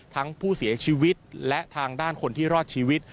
ทั้งผู้เสียชีวิตและทางด้านคนที่รอดชีวิต